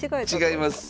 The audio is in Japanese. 違います。